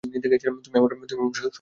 তুই আমার শো দেখেছিলি, আভি!